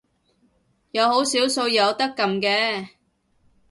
有好少數有得撳嘅